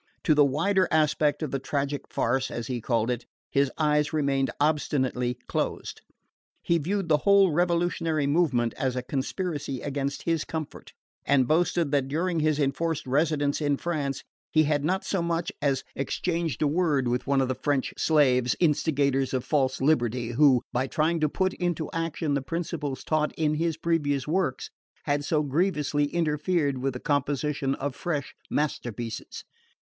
To the wider aspect of the "tragic farce," as he called it, his eyes remained obstinately closed. He viewed the whole revolutionary movement as a conspiracy against his comfort, and boasted that during his enforced residence in France he had not so much as exchanged a word with one of the "French slaves, instigators of false liberty," who, by trying to put into action the principles taught in his previous works, had so grievously interfered with the composition of fresh masterpieces.